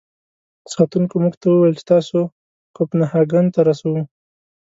ساتونکو موږ ته و ویل چې تاسو کوپنهاګن ته رسوو.